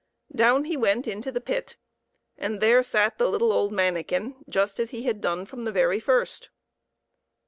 Down he went into the pit, and there sat the little old manikin, just as he had done from the very first.